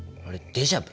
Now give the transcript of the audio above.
デジャブ。